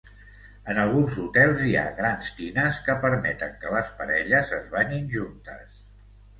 En alguns hotels hi ha grans tines que permeten que les parelles es banyin juntes.